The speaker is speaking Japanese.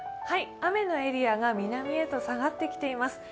雨のエリアが南へと下がってきています。